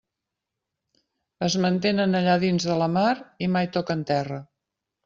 Es mantenen allà dins de la mar i mai toquen terra.